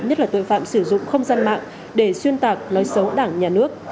nhất là tội phạm sử dụng không gian mạng để xuyên tạc nói xấu đảng nhà nước